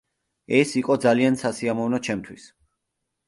ეს იყო ძალიან სასიამოვნო ჩემთვის.